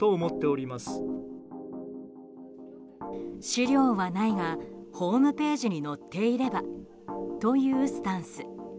資料はないが、ホームページに載っていればというスタンス。